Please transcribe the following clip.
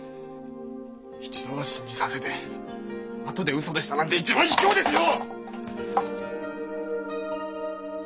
一度は信じさせてあとで「ウソでした」なんて一番ひきょうですよ！